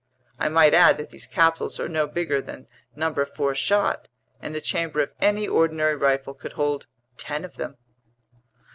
I might add that these capsules are no bigger than number 4 shot, and the chamber of any ordinary rifle could hold ten of them."